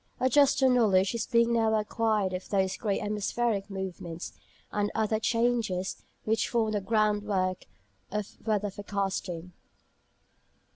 A juster knowledge is being now acquired of those great atmospheric movements, and other changes, which form the groundwork of weather forecasting.